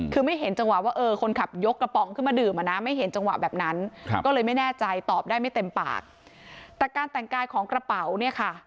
ก็เลยไม่แน่ใจตอบได้ไม่เต็มปากแต่การแต่งกายของกระเป๋าเนี่ยค่ะ